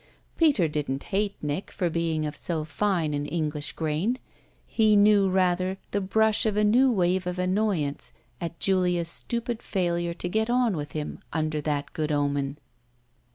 Peter didn't hate Nick for being of so fine an English grain; he knew rather the brush of a new wave of annoyance at Julia's stupid failure to get on with him under that good omen.